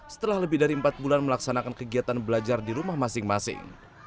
setelah lebih dari empat bulan melaksanakan kegiatan belajar di rumah masing masing